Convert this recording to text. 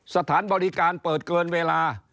สถานบริการเปิดเกินเวลา